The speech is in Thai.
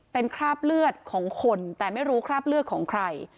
เป็นคราบเลือดของคนแต่ไม่รู้คราบเลือดของใคร